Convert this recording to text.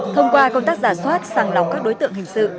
thông qua công tác giả soát sàng lọc các đối tượng hình sự